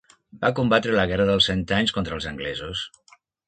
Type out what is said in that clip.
Va combatre a la Guerra dels Cent Anys contra els anglesos.